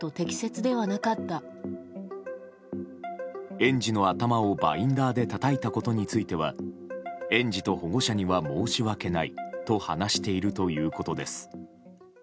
園児の頭をバインダーでたたいたことについては園児と保護者には申し訳ないと話しているということです。